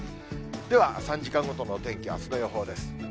では、３時間ごとの天気、あすの予報です。